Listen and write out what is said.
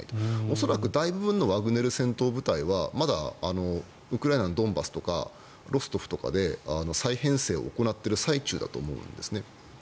恐らく大部分のワグネル戦闘部隊はまだウクライナのドンバスとかロストフとかで再編成を行っている最中だと思うんですね。